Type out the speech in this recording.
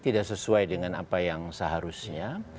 tidak sesuai dengan apa yang seharusnya